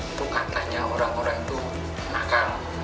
itu katanya orang orang itu nakal